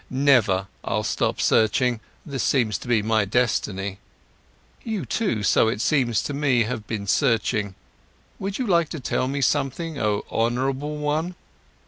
Never I'll stop searching, this seems to be my destiny. You too, so it seems to me, have been searching. Would you like to tell me something, oh honourable one?"